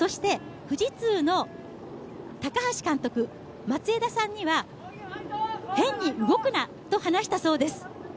富士通の高橋監督、松枝さんには変に動くなと話したそうです。